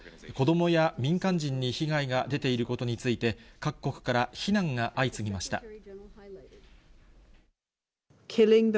子どもや民間人に被害が出ていることについて、各国から非難が相次ぎました。